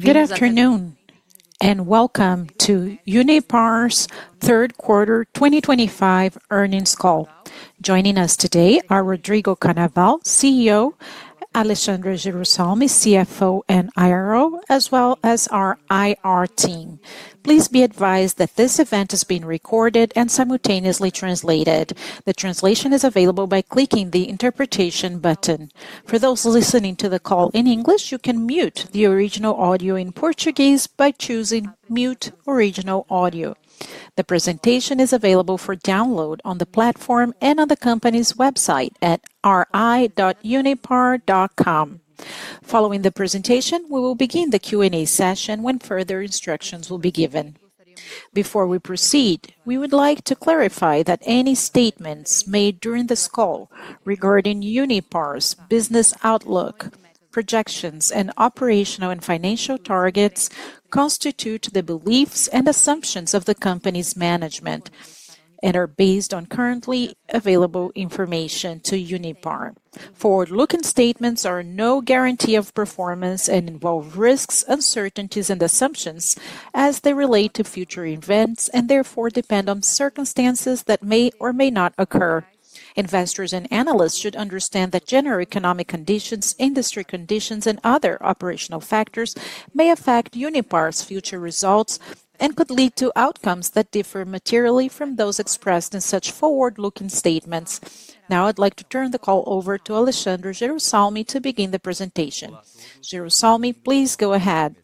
Good afternoon and welcome to Unipar's Third Quarter 2025 earnings call. Joining us today are Rodrigo Carnaval, CEO; Alexandre Jerusalem, CFO and IRO, as well as our IR team. Please be advised that this event is being recorded and simultaneously translated. The translation is available by clicking the interpretation button. For those listening to the call in English, you can mute the original audio in Portuguese by choosing "Mute original audio." The presentation is available for download on the platform and on the company's website at ri.unipar.com. Following the presentation, we will begin the Q&A session when further instructions will be given. Before we proceed, we would like to clarify that any statements made during this call regarding Unipar's business outlook, projections, and operational and financial targets constitute the beliefs and assumptions of the company's management and are based on currently available information to Unipar. Forward-looking statements are no guarantee of performance and involve risks, uncertainties, and assumptions as they relate to future events and therefore depend on circumstances that may or may not occur. Investors and analysts should understand that general economic conditions, industry conditions, and other operational factors may affect Unipar's future results and could lead to outcomes that differ materially from those expressed in such forward-looking statements. Now, I'd like to turn the call over to Alexandre Jerusalem to begin the presentation. Jerusalem, please go ahead.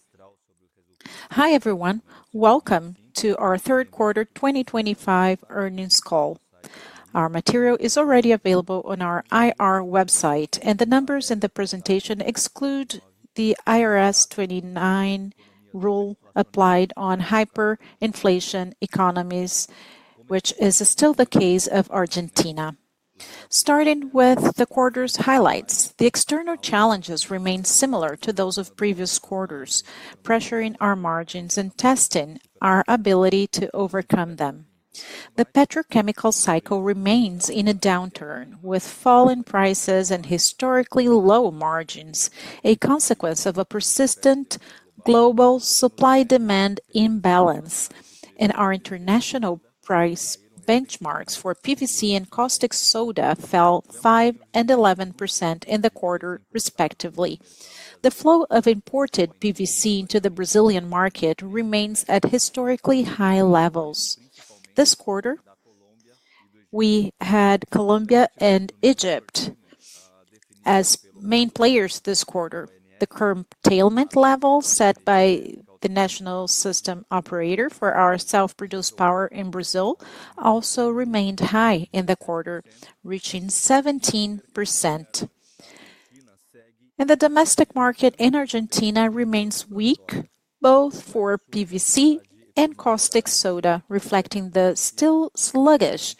Hi everyone, welcome to our Third Quarter 2025 earnings call. Our material is already available on our IR website, and the numbers in the presentation exclude the IAS 29 rule applied on hyperinflation economies, which is still the case of Argentina. Starting with the quarter's highlights, the external challenges remain similar to those of previous quarters, pressuring our margins and testing our ability to overcome them. The petrochemical cycle remains in a downturn, with fall in prices and historically low margins, a consequence of a persistent global supply-demand imbalance, and our international price benchmarks for PVC and caustic soda fell 5% and 11% in the quarter, respectively. The flow of imported PVC into the Brazilian market remains at historically high levels. This quarter, we had Colombia and Egypt as main players this quarter. The curtailment level set by the national system operator for our self-produced power in Brazil also remained high in the quarter, reaching 17%. The domestic market in Argentina remains weak, both for PVC and caustic soda, reflecting the still sluggish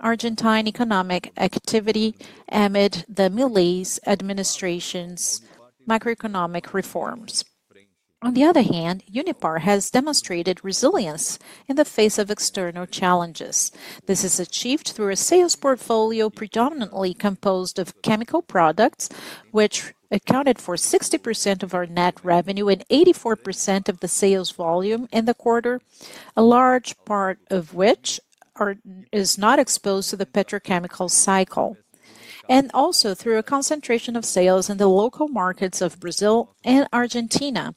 Argentine economic activity amid the Milei's administration's macroeconomic reforms. On the other hand, Unipar has demonstrated resilience in the face of external challenges. This is achieved through a sales portfolio predominantly composed of chemical products, which accounted for 60% of our net revenue and 84% of the sales volume in the quarter, a large part of which is not exposed to the petrochemical cycle. We also achieve this through a concentration of sales in the local markets of Brazil and Argentina,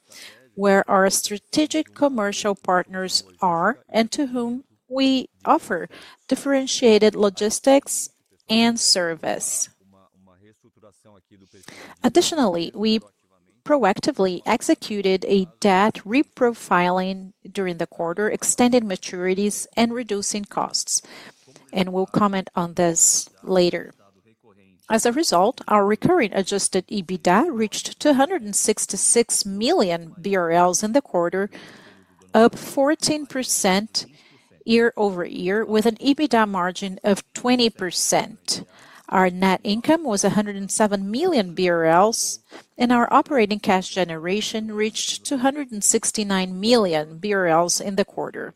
where our strategic commercial partners are and to whom we offer differentiated logistics and service. Additionally, we proactively executed a debt reprofiling during the quarter, extending maturities and reducing costs, and we will comment on this later. As a result, our recurring Adjusted EBITDA reached 266 million BRL in the quarter, up 14% year over year, with an EBITDA margin of 20%. Our net income was 107 million BRL, and our operating cash generation reached 269 million BRL in the quarter.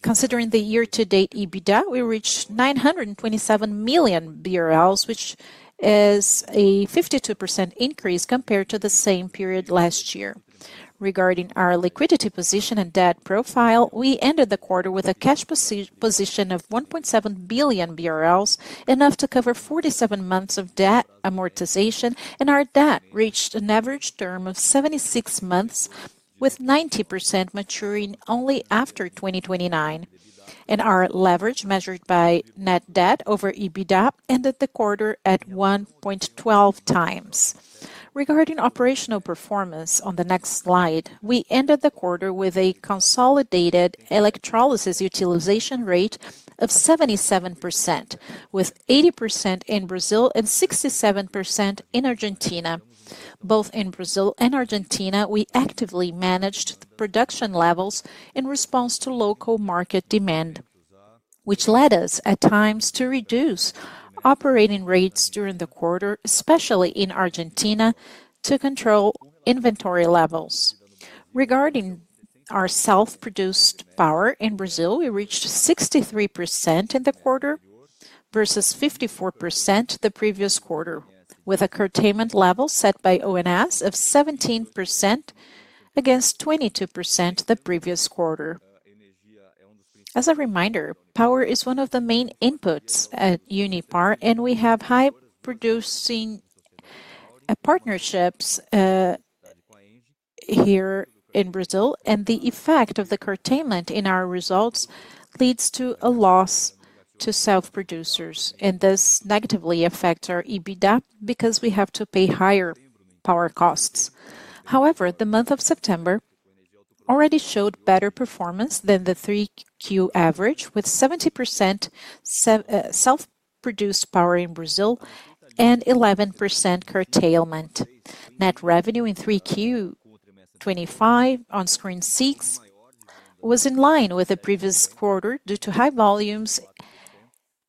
Considering the year-to-date EBITDA, we reached 927 million BRL, which is a 52% increase compared to the same period last year. Regarding our liquidity position and debt profile, we ended the quarter with a cash position of 1.7 billion BRL, enough to cover 47 months of debt amortization, and our debt reached an average term of 76 months, with 90% maturing only after 2029. Our leverage, measured by net debt over EBITDA, ended the quarter at 1.12 times. Regarding operational performance, on the next slide, we ended the quarter with a consolidated electrolysis utilization rate of 77%, with 80% in Brazil and 67% in Argentina. Both in Brazil and Argentina, we actively managed production levels in response to local market demand, which led us at times to reduce operating rates during the quarter, especially in Argentina, to control inventory levels. Regarding our self-produced power in Brazil, we reached 63% in the quarter versus 54% the previous quarter, with a curtailment level set by ONS of 17% against 22% the previous quarter. As a reminder, power is one of the main inputs at Unipar, and we have high-producing partnerships here in Brazil, and the effect of the curtailment in our results leads to a loss to self-producers, and this negatively affects our EBITDA because we have to pay higher power costs. However, the month of September already showed better performance than the 3Q average, with 70% self-produced power in Brazil and 11% curtailment. Net revenue in 3Q25, on screen 6, was in line with the previous quarter due to high volumes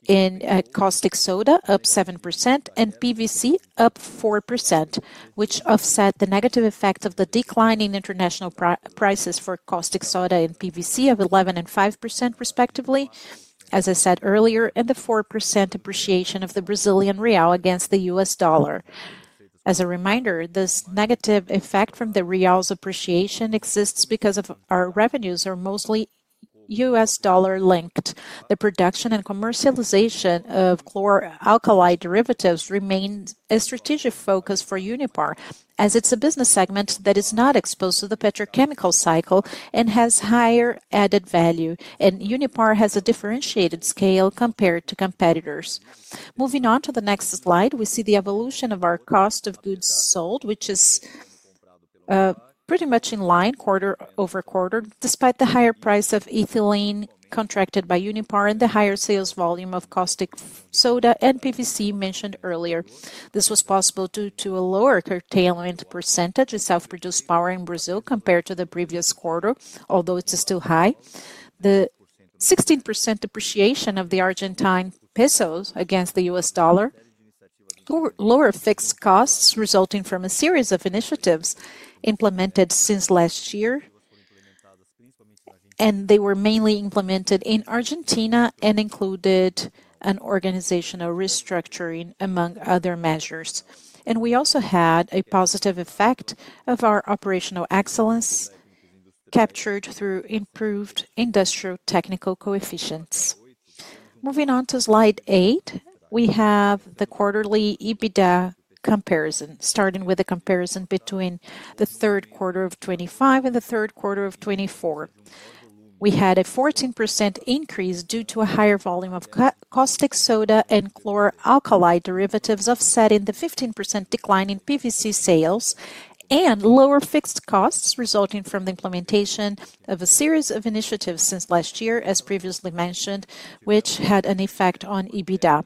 in caustic soda, up 7%, and PVC, up 4%, which offset the negative effect of the declining international prices for caustic soda and PVC of 11% and 5%, respectively, as I said earlier, and the 4% appreciation of the Brazilian real against the U.S. dollar. As a reminder, this negative effect from the real's appreciation exists because our revenues are mostly U.S. dollar-linked. The production and commercialization of Chlor-alkali derivatives remain a strategic focus for Unipar, as it's a business segment that is not exposed to the petrochemical cycle and has higher added value, and Unipar has a differentiated scale compared to competitors. Moving on to the next slide, we see the evolution of our cost of goods sold, which is pretty much in line quarter over quarter, despite the higher price of ethylene contracted by Unipar and the higher sales volume of caustic soda and PVC mentioned earlier. This was possible due to a lower curtailment percentage of self-produced power in Brazil compared to the previous quarter, although it's still high. The 16% appreciation of the Argentine peso against the U.S. dollar, lower fixed costs resulting from a series of initiatives implemented since last year, and they were mainly implemented in Argentina and included an organizational restructuring among other measures. We also had a positive effect of our operational excellence captured through improved industrial technical coefficients. Moving on to slide 8, we have the quarterly EBITDA comparison, starting with a comparison between the third quarter of 2025 and the third quarter of 2024. We had a 14% increase due to a higher volume of caustic soda and Chlor-alkali derivatives, offsetting the 15% decline in PVC sales and lower fixed costs resulting from the implementation of a series of initiatives since last year, as previously mentioned, which had an effect on EBITDA.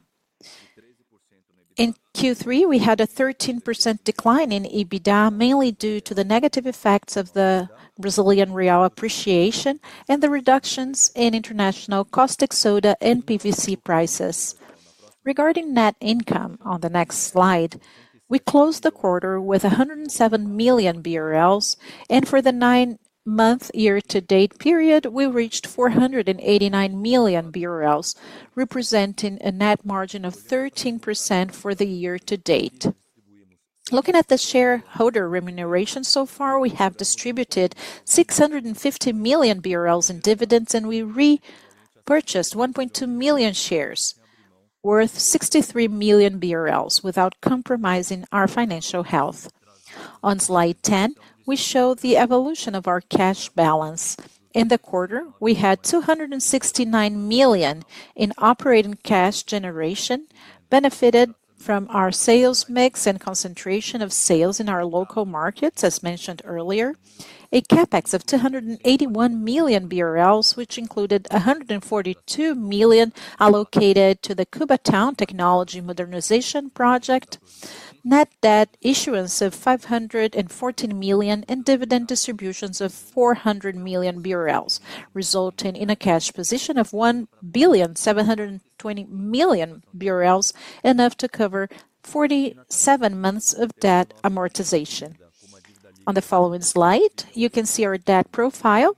In Q3, we had a 13% decline in EBITDA, mainly due to the negative effects of the Brazilian real appreciation and the reductions in international caustic soda and PVC prices. Regarding net income, on the next slide, we closed the quarter with 107 million BRL, and for the nine-month year-to-date period, we reached 489 million BRL, representing a net margin of 13% for the year-to-date. Looking at the shareholder remuneration so far, we have distributed 650 million BRL in dividends, and we repurchased 1.2 million shares worth 63 million BRL without compromising our financial health. On slide 10, we show the evolution of our cash balance. In the quarter, we had 269 million in operating cash generation, benefited from our sales mix and concentration of sales in our local markets, as mentioned earlier, a CapEx of 281 million BRL, which included 142 million allocated to the Cubatão Technology, Modernization Project, net debt issuance of 514 million, and dividend distributions of 400 million BRL, resulting in a cash position of 1,720,000,000 BRL, enough to cover 47 months of debt amortization. On the following slide, you can see our debt profile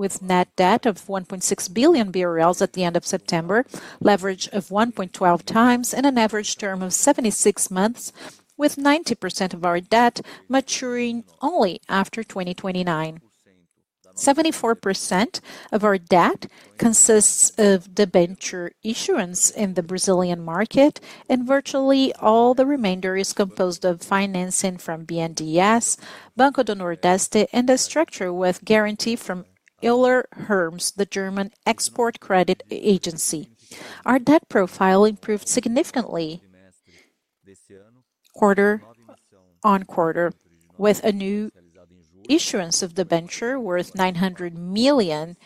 with net debt of 1.6 billion BRL at the end of September, leverage of 1.12 times, and an average term of 76 months, with 90% of our debt maturing only after 2029. 74% of our debt consists of debenture issuance in the Brazilian market, and virtually all the remainder is composed of financing from BNDES, Banco do Nordeste, and a structure with guarantee from Euler Hermes, the German export credit agency. Our debt profile improved significantly quarter on quarter, with a new issuance of debenture worth 900 million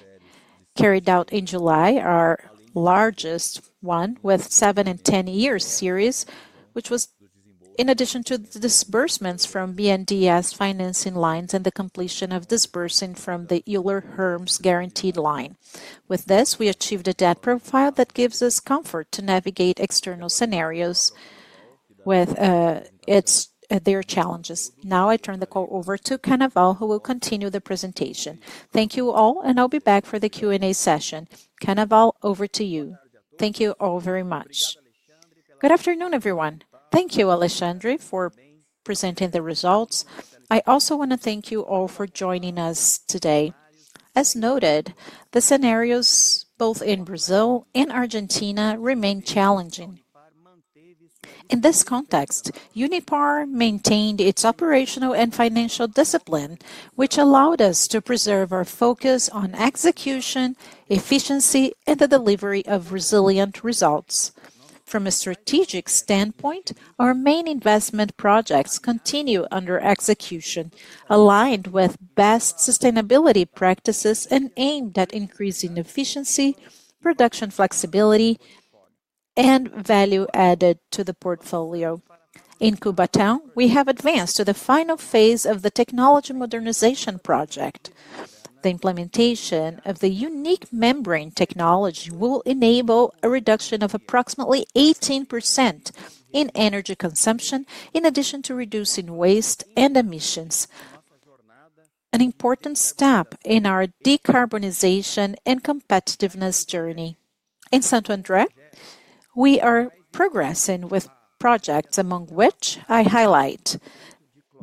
carried out in July, our largest one with 7- and 10-year series, which was in addition to the disbursements from BNDES financing lines and the completion of disbursing from the Euler Hermes guaranteed line. With this, we achieved a debt profile that gives us comfort to navigate external scenarios with their challenges. Now, I turn the call over to Carnaval, who will continue the presentation. Thank you all, and I'll be back for the Q&A session. Carnaval, over to you. Thank you all very much. Good afternoon, everyone. Thank you, Alexandre, for presenting the results. I also want to thank you all for joining us today. As noted, the scenarios both in Brazil and Argentina remain challenging. In this context, Unipar maintained its operational and financial discipline, which allowed us to preserve our focus on execution, efficiency, and the delivery of resilient results. From a strategic standpoint, our main investment projects continue under execution, aligned with best sustainability practices and aimed at increasing efficiency, production flexibility, and value added to the portfolio. In Cubatão, we have advanced to the final phase of the technology Modernization Project. The implementation of the unique membrane technology will enable a reduction of approximately 18% in energy consumption, in addition to reducing waste and emissions, an important step in our decarbonization and competitiveness journey. In Santander, we are progressing with projects among which I highlight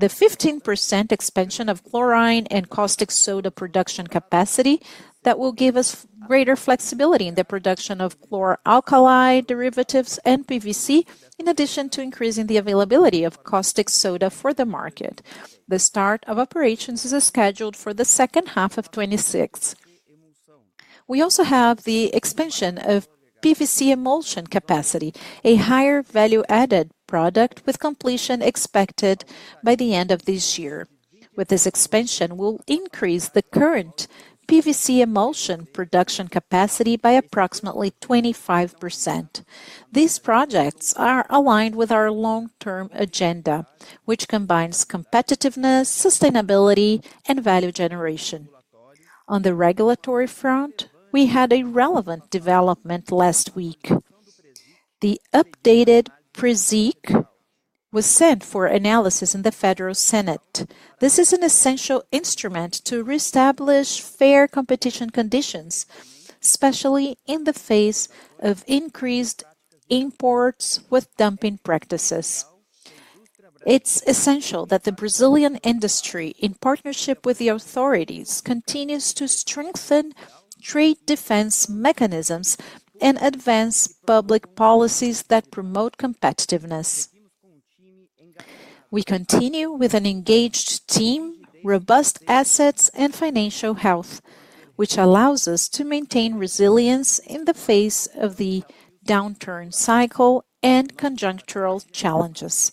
the 15% expansion of chlorine and caustic soda production capacity that will give us greater flexibility in the production of Chlor-alkali derivatives and PVC, in addition to increasing the availability of caustic soda for the market. The start of operations is scheduled for the second half of 2026. We also have the expansion of PVC emulsion capacity, a higher value-added product with completion expected by the end of this year. With this expansion, we'll increase the current PVC emulsion production capacity by approximately 25%. These projects are aligned with our long-term agenda, which combines competitiveness, sustainability, and value generation. On the regulatory front, we had a relevant development last week. The updated PRESIC was sent for analysis in the Federal Senate. This is an essential instrument to reestablish fair competition conditions, especially in the face of increased imports with dumping practices. It's essential that the Brazilian industry, in partnership with the authorities, continues to strengthen trade defense mechanisms and advance public policies that promote competitiveness. We continue with an engaged team, robust assets, and financial health, which allows us to maintain resilience in the face of the downturn cycle and conjunctural challenges.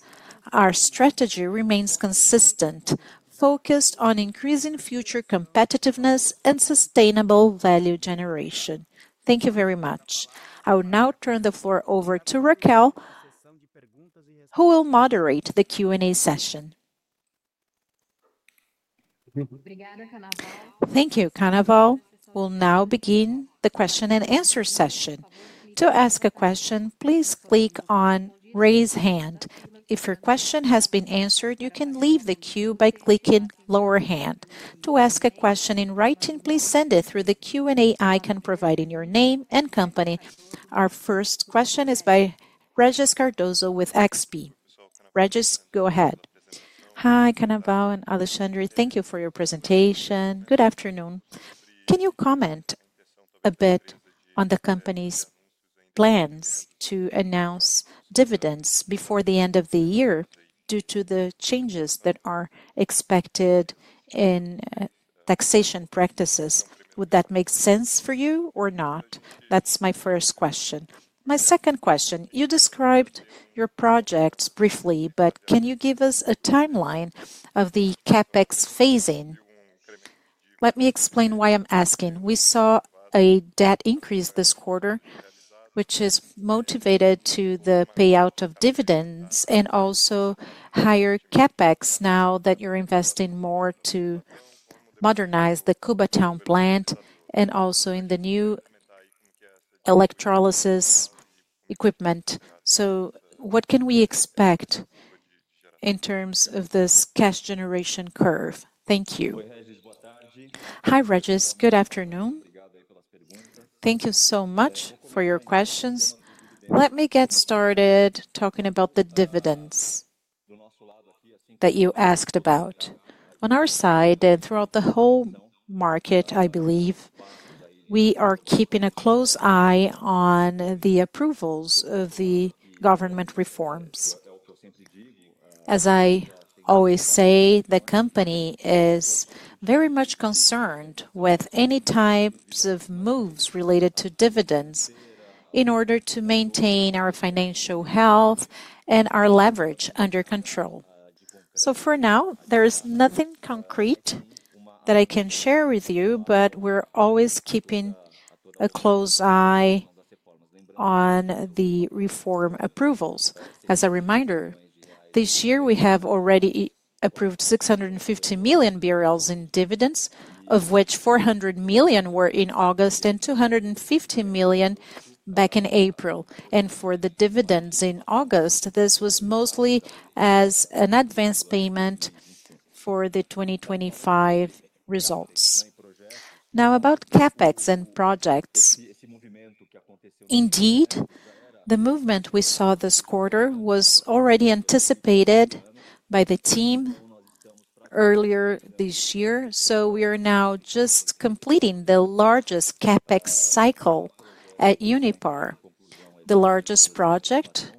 Our strategy remains consistent, focused on increasing future competitiveness and sustainable value generation. Thank you very much. I will now turn the floor over to Raquel, who will moderate the Q&A session. Thank you, Carnaval. We'll now begin the question and answer session. To ask a question, please click on "Raise Hand." If your question has been answered, you can leave the queue by clicking "Lower Hand." To ask a question in writing, please send it through the Q&A icon providing your name and company. Our first question is by Regis Cardozo with XP. Regis, go ahead. Hi, Carnaval and Alexandre. Thank you for your presentation. Good afternoon. Can you comment a bit on the company's plans to announce dividends before the end of the year due to the changes that are expected in taxation practices? Would that make sense for you or not? That's my first question. My second question, you described your projects briefly, but can you give us a timeline of the CapEx phasing? Let me explain why I'm asking. We saw a debt increase this quarter, which is motivated to the payout of dividends and also higher CapEx now that you're investing more to modernize the Cubatão plant and also in the new electrolysis equipment. What can we expect in terms of this cash generation curve? Thank you. Hi, Regis. Good afternoon. Thank you so much for your questions. Let me get started talking about the dividends that you asked about. On our side and throughout the whole market, I believe we are keeping a close eye on the approvals of the government reforms. As I always say, the company is very much concerned with any types of moves related to dividends in order to maintain our financial health and our leverage under control. For now, there is nothing concrete that I can share with you, but we're always keeping a close eye on the reform approvals. As a reminder, this year we have already approved 650 million BRL in dividends, of which 400 million were in August and 250 million back in April. For the dividends in August, this was mostly as an advance payment for the 2025 results. Now, about CapEx and projects. Indeed, the movement we saw this quarter was already anticipated by the team earlier this year. We are now just completing the largest CapEx cycle at Unipar. The largest project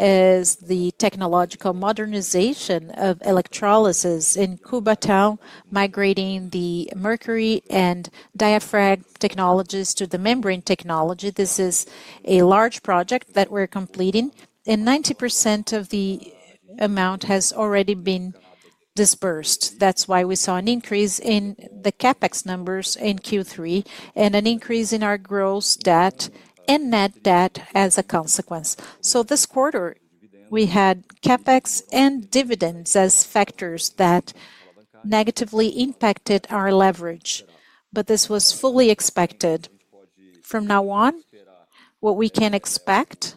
is the technological modernization of electrolysis in Cubatão, migrating the mercury and diaphragm technologies to the membrane technology. This is a large project that we're completing, and 90% of the amount has already been disbursed. That's why we saw an increase in the CapEx numbers in Q3 and an increase in our gross debt and net debt as a consequence. This quarter, we had CapEx and dividends as factors that negatively impacted our leverage, but this was fully expected. From now on, what we can expect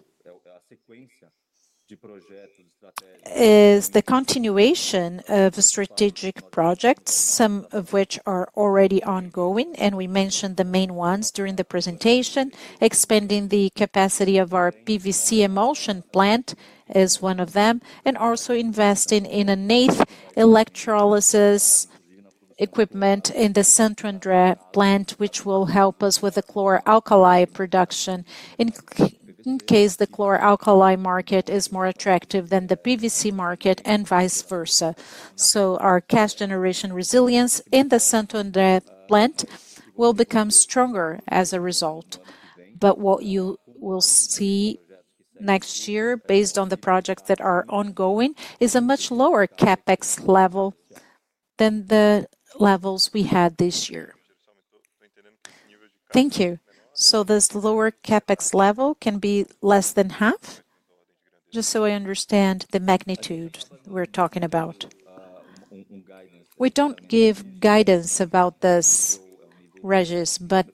is the continuation of strategic projects, some of which are already ongoing, and we mentioned the main 1s during the presentation. Expanding the capacity of our PVC emulsion plant is one of them, and also investing in a NAITH electrolysis equipment in the Santander plant, which will help us with the Chlor-alkali production in case the Chlor-alkali market is more attractive than the PVC market and vice versa. Our cash generation resilience in the Santander plant will become stronger as a result. What you will see next year, based on the projects that are ongoing, is a much lower CapEx level than the levels we had this year. Thank you. This lower CapEx level can be less than half? Just so I understand the magnitude we're talking about. We do not give guidance about this, Regis, but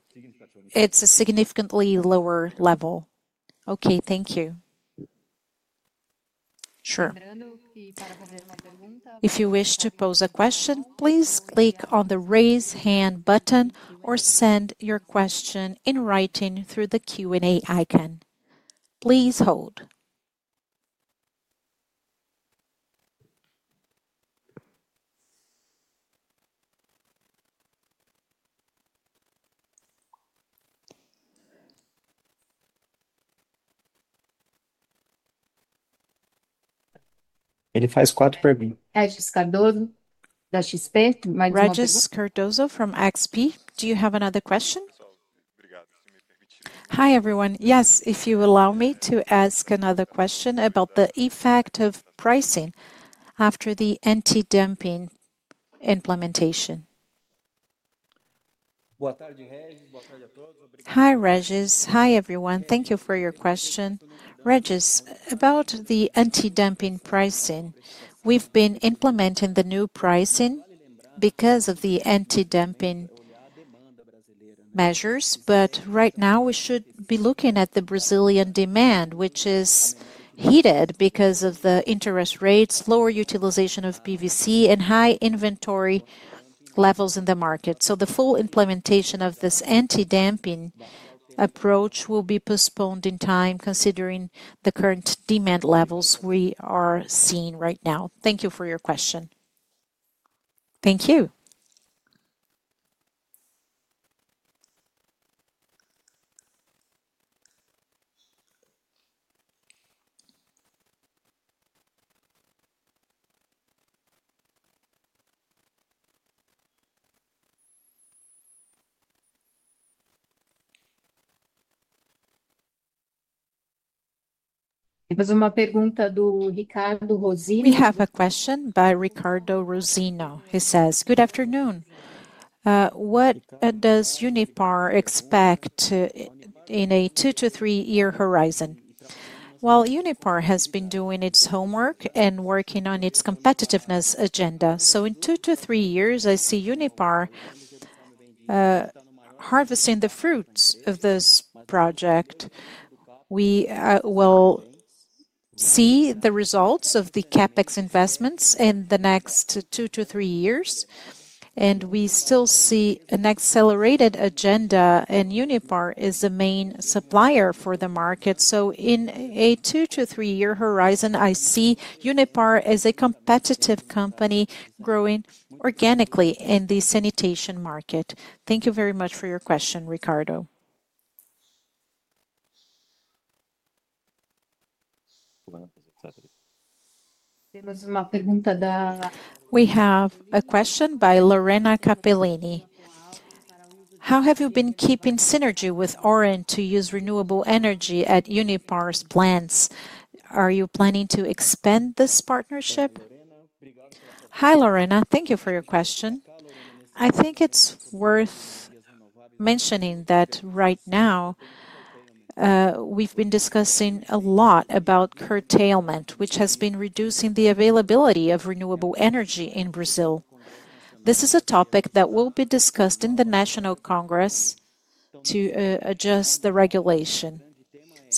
it is a significantly lower level. Okay, thank you. Sure. If you wish to pose a question, please click on the "Raise Hand" button or send your question in writing through the Q&A icon. Please hold. Regis Cardoso from XP. Do you have another question? Hi, everyone. Yes, if you allow me to ask another question about the effect of pricing after the anti-dumping implementation. Hi, Regis. Hi, everyone. Thank you for your question. Regis, about the anti-dumping pricing, we've been implementing the new pricing because of the anti-dumping measures, but right now we should be looking at the Brazilian demand, which is heated because of the interest rates, lower utilization of PVC, and high inventory levels in the market. The full implementation of this anti-dumping approach will be postponed in time, considering the current demand levels we are seeing right now. Thank you for your question. Thank you. We have a question by Ricardo Rosino. He says, "Good afternoon. What does Unipar expect in a 2 to 3-year horizon?" Unipar has been doing its homework and working on its competitiveness agenda. In 2 to 3 years, I see Unipar harvesting the fruits of this project. We will see the results of the CapEx investments in the next 2 to 3 years, and we still see an accelerated agenda, and Unipar is the main supplier for the market. In a 2 to 3-year horizon, I see Unipar as a competitive company growing organically in the sanitation market. Thank you very much for your question, Ricardo. We have a question by Lorena Capellini. How have you been keeping synergy with Orange to use renewable energy at Unipar's plants? Are you planning to expand this partnership? Hi, Lorena. Thank you for your question. I think it's worth mentioning that right now we've been discussing a lot about curtailment, which has been reducing the availability of renewable energy in Brazil. This is a topic that will be discussed in the National Congress to adjust the regulation.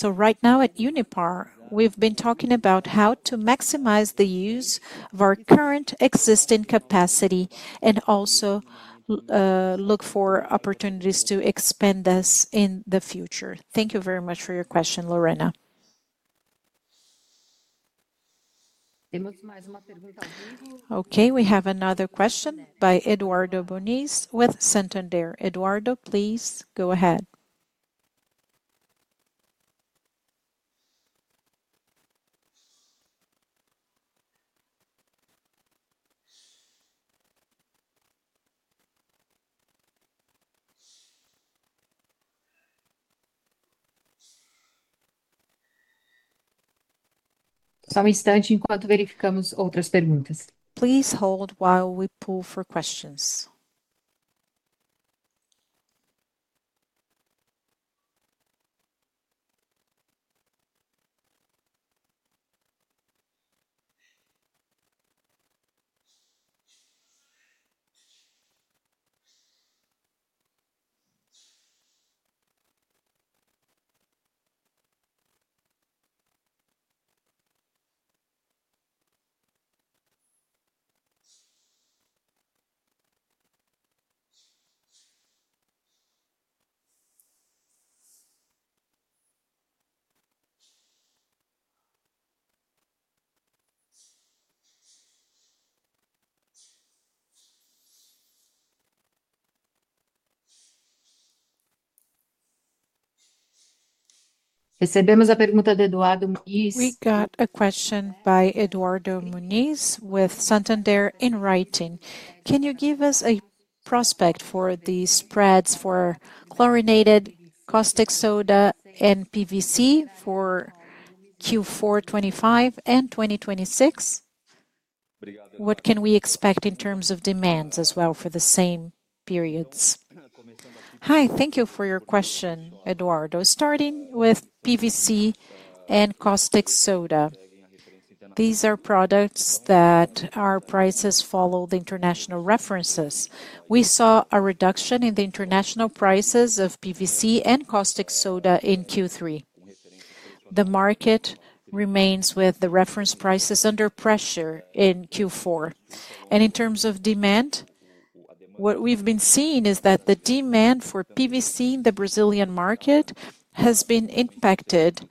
Right now at Unipar, we've been talking about how to maximize the use of our current existing capacity and also look for opportunities to expand this in the future. Thank you very much for your question, Lorena. Okay, we have another question by Eduardo Moniz with Santander. Eduardo, please go ahead. Só instante enquanto verificamos outras perguntas. Please hold while we pull for questions. Recebemos a pergunta de Eduardo Moniz. We got a question by Eduardo Moniz with Santander in writing. Can you give us a prospect for the spreads for chlorinated caustic soda and PVC for Q4 2025 and 2026? What can we expect in terms of demands as well for the same periods? Hi, thank you for your question, Eduardo. Starting with PVC and caustic soda, these are products that our prices follow the international references. We saw a reduction in the international prices of PVC and caustic soda in Q3. The market remains with the reference prices under pressure in Q4. In terms of demand, what we've been seeing is that the demand for PVC in the Brazilian market has been impacted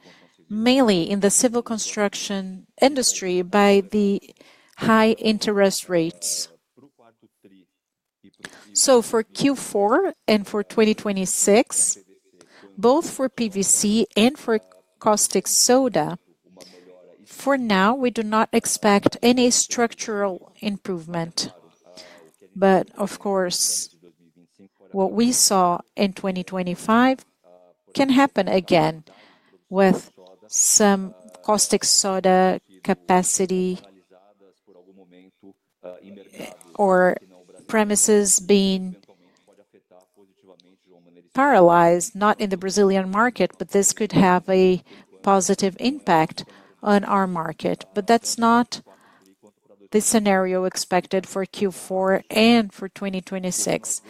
mainly in the civil construction industry by the high interest rates. For Q4 and for 2026, both for PVC and for caustic soda, for now, we do not expect any structural improvement. Of course, what we saw in 2025 can happen again with some caustic soda capacity or premises being paralyzed, not in the Brazilian market, but this could have a positive impact on our market. That is not the scenario expected for Q4 and for 2026.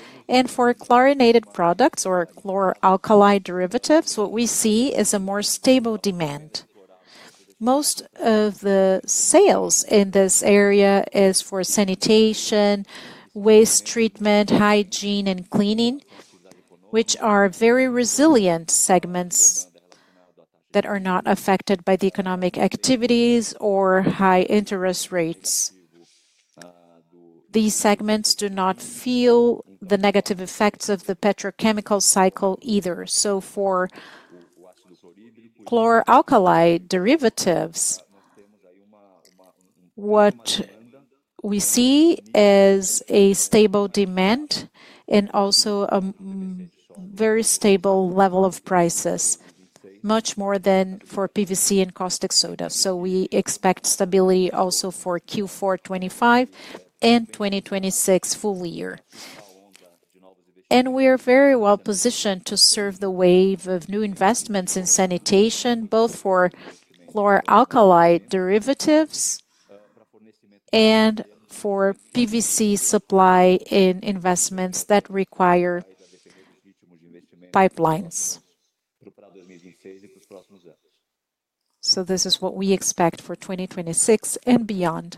For chlorinated products or Chlor-alkali derivatives, what we see is a more stable demand. Most of the sales in this area is for sanitation, waste treatment, hygiene, and cleaning, which are very resilient segments that are not affected by the economic activities or high interest rates. These segments do not feel the negative effects of the petrochemical cycle either. For Chlor-alkali derivatives, what we see is a stable demand and also a very stable level of prices, much more than for PVC and caustic soda. We expect stability also for Q4 2025 and 2026 full year. We are very well positioned to serve the wave of new investments in sanitation, both for Chlor-alkali derivatives and for PVC supply in investments that require pipelines. This is what we expect for 2026 and beyond.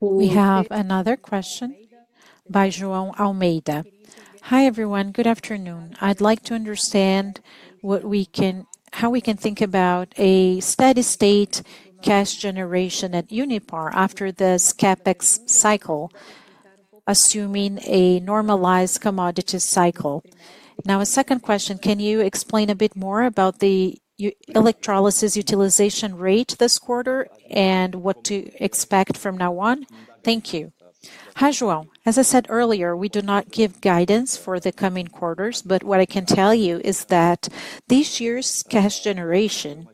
We have another question by João Almeida. Hi, everyone. Good afternoon. I'd like to understand how we can think about a steady-state cash generation at Unipar after this CapEx cycle, assuming a normalized commodity cycle. Now, a second question. Can you explain a bit more about the electrolysis utilization rate this quarter and what to expect from now on? Thank you. Hi, João. As I said earlier, we do not give guidance for the coming quarters, but what I can tell you is that this year's cash generation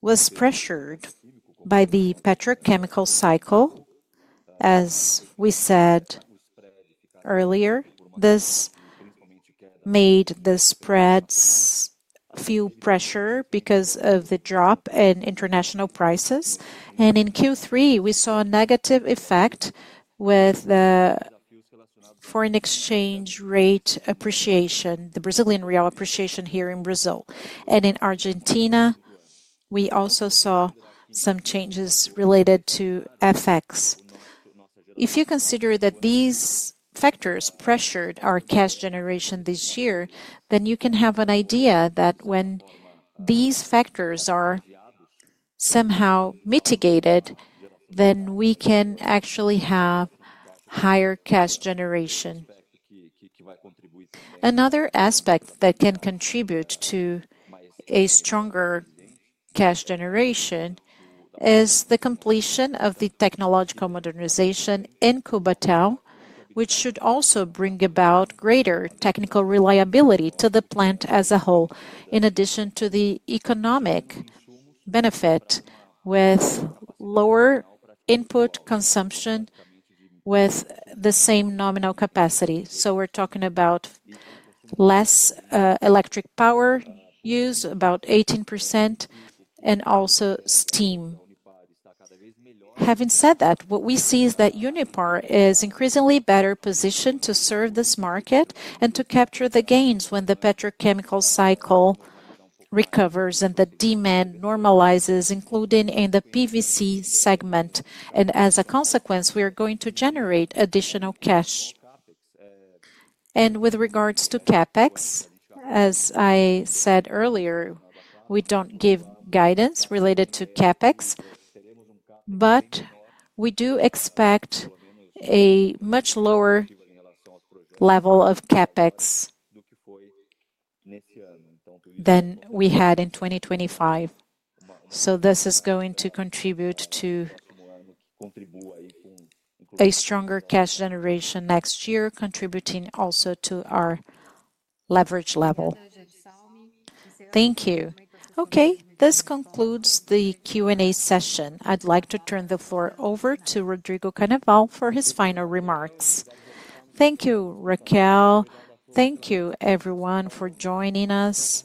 was pressured by the petrochemical cycle, as we said earlier. This made the spreads feel pressure because of the drop in international prices. In Q3, we saw a negative effect with the foreign exchange rate appreciation, the Brazilian real appreciation here in Brazil. In Argentina, we also saw some changes related to FX. If you consider that these factors pressured our cash generation this year, then you can have an idea that when these factors are somehow mitigated, then we can actually have higher cash generation. Another aspect that can contribute to a stronger cash generation is the completion of the technological modernization in Cubatão, which should also bring about greater technical reliability to the plant as a whole, in addition to the economic benefit with lower input consumption with the same nominal capacity. We are talking about less electric power use, about 18%, and also steam. Having said that, what we see is that Unipar is increasingly better positioned to serve this market and to capture the gains when the petrochemical cycle recovers and the demand normalizes, including in the PVC segment. As a consequence, we are going to generate additional cash. With regards to CapEx, as I said earlier, we do not give guidance related to CapEx, but we do expect a much lower level of CapEx than we had in 2025. This is going to contribute to a stronger cash generation next year, contributing also to our leverage level. Thank you. This concludes the Q&A session. I would like to turn the floor over to Rodrigo Carnaval for his final remarks. Thank you, Raquel. Thank you, everyone, for joining us.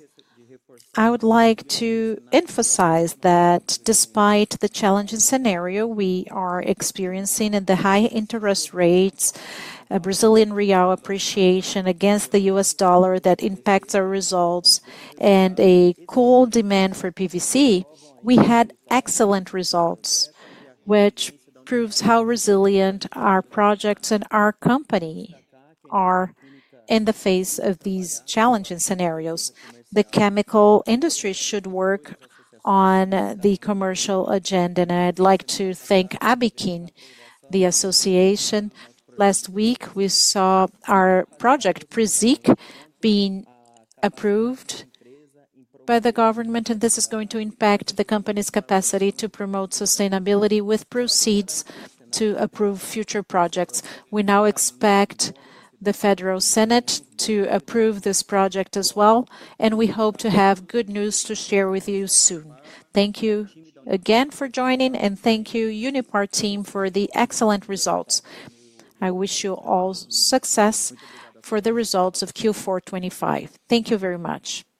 I would like to emphasize that despite the challenging scenario we are experiencing in the high interest rates, Brazilian real appreciation against the U.S. dollar that impacts our results, and a cool demand for PVC, we had excellent results, which proves how resilient our projects and our company are in the face of these challenging scenarios. The chemical industry should work on the commercial agenda, and I'd like to thank ABICIN, the association. Last week, we saw our project PRESIC being approved by the government, and this is going to impact the company's capacity to promote sustainability with proceeds to approve future projects. We now expect the Federal Senate to approve this project as well, and we hope to have good news to share with you soon. Thank you again for joining, and thank you, Unipar team, for the excellent results. I wish you all success for the results of Q4 2025. Thank you very much. Bye.